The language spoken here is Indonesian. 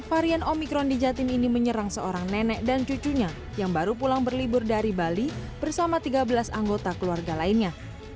varian omikron di jatim ini menyerang seorang nenek dan cucunya yang baru pulang berlibur dari bali bersama tiga belas anggota keluarga lainnya